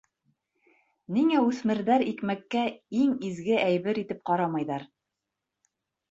Ниңә үҫмерҙәр икмәккә иң изге әйбер итеп ҡарамайҙар?